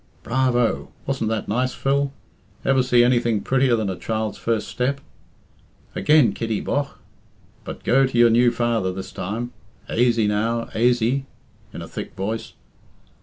"Bravo! Wasn't that nice, Phil? Ever see anything prettier than a child's first step? Again, Kitty, bogh! But go to your new father this time. Aisy, now, aisy!" (in a thick voice).